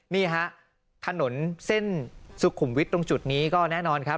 นี่ฮะถนนเส้นสุขุมวิทย์ตรงจุดนี้ก็แน่นอนครับ